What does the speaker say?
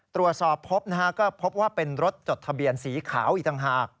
ตรวจสอบพบนะฮะก็พบว่าเป็นรถจดทะเบียนสีขาวอีกต่างหาก